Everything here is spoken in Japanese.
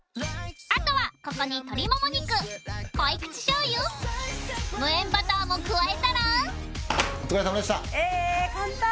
あとはここに鶏もも肉濃口しょうゆ無塩バターも加えたらええ簡単。